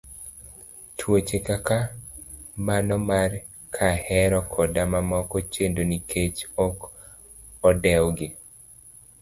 Tuoche kaka mano mar kahera koda mamoko chendo nikech ok odew gi.